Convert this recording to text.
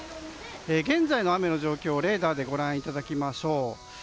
現在の雨の状況をレーダーでご覧いただきましょう。